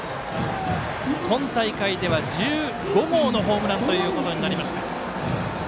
今大会では１５号のホームランということになりました。